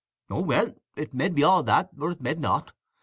"Oh, well, it med be all that, or it med not.